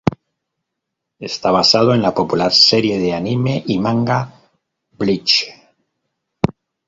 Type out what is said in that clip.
Está basado en la popular serie de anime y manga, Bleach.